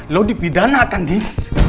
lo dipidanakan din